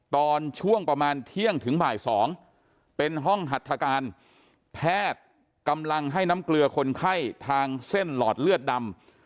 ตอนช่วงประมาณเที่ยงถึงบ่าย๒เป็นห้องหัตถการแพทย์กำลังให้น้ำเกลือคนไข้ทางเส้นหลอดเลือดดำ